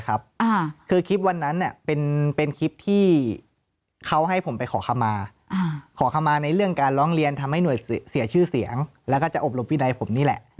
คือคลิปวันนั้นเป็นคลิปที่เขาให้ผมไปขอคำมาขอคำมาในเรื่องการร้องเรียนทำให้หน่วยเสียชื่อเสียงแล้วก็จะอบรมวินัยผมนี่แหละ